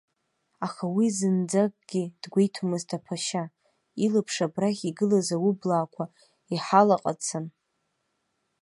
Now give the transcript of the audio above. Аха уи зынӡакгьы дгәеиҭомызт аԥашьа, илаԥш абрахь игылаз аублаақәа иҳалаҟацан.